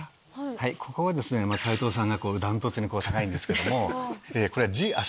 ここはですね斉藤さんが断トツに高いんですけど。